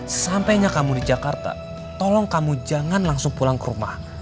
sesampainya kamu di jakarta tolong kamu jangan langsung pulang ke rumah